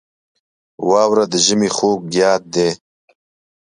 • واوره د ژمي خوږ یاد دی.